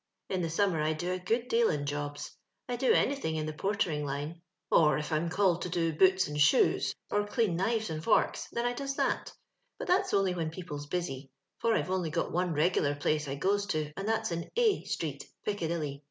*' In the summer I do a good deal in jobs. I do anything in the portering line, or if I'm called to do boots and shoes, or dean knives and forks, then I does that But that's only when people's busy ; for I've only got one regular place I goes to, and that's in A street, Pic cadilly.